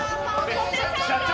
社長！